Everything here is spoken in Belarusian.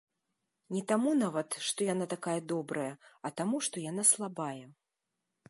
Не таму нават, што яна такая добрая, а таму, што яна слабая.